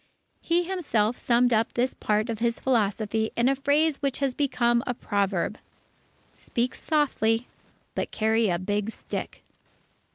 _" He himself summed up this part of his philosophy in a phrase which has become a proverb: "_Speak softly; but carry a big stick.